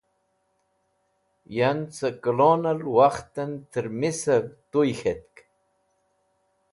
Yan cẽ kolonal wakhtẽn tẽrmisẽv tuy k̃htk.